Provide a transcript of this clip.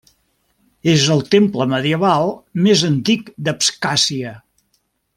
És el temple medieval més antic d'Abkhàzia.